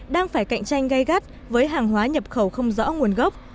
đang phải cạnh tranh gây gắt với hàng hóa nhập khẩu không rõ nguồn gốc